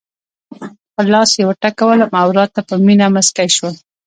پر لاس یې وټکولم او راته په مینه مسکی شول.